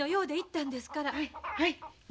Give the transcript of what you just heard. はい。